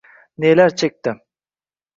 Nelar chekdi